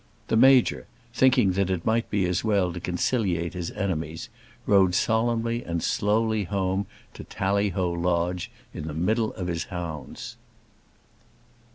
The Major, thinking that it might be as well to conciliate his enemies, rode solemnly and slowly home to Tallyho Lodge in the middle of his hounds.